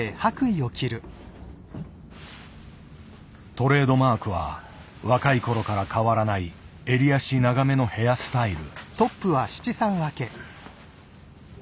トレードマークは若いころから変わらない襟足長めのヘアスタイル。